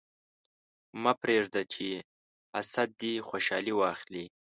مه پرېږده چې حسد دې خوشحالي واخلي.